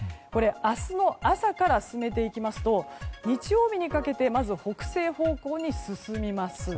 明日の朝から進めていきますと日曜日にかけてまず北西方向に進みます。